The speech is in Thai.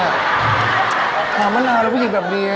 ความมะนาวอะไรว่าอยากแบบนี้